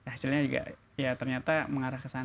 hasilnya juga ya ternyata mengarah ke sana